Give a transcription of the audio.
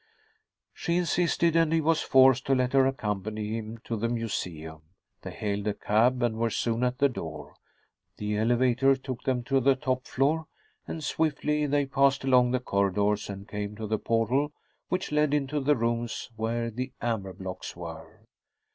She insisted and he was forced to let her accompany him to the museum. They hailed a cab and were soon at the door. The elevator took them to the top floor, and swiftly they passed along the corridors and came to the portal which led into the rooms where the amber blocks were.